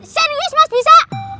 serius mas bisa